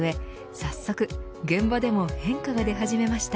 早速、現場でも変化が出始めました。